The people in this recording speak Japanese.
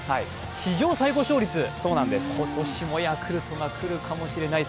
史上最高勝率、今年もヤクルトが来るかもしれない。